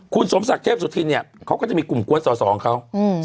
คุณสมศักดิ์เทพสุธินเนี่ยเขาก็จะมีกลุ่มกวนสอสอของเขา